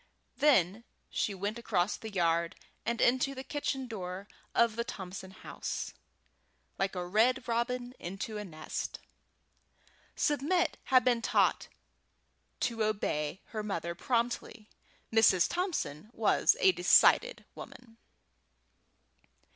Then she went across the yard and into the kitchen door of the Thompson house, like a red robin into a nest. Submit had been taught to obey her mother promptly. Mrs. Thompson was a decided woman.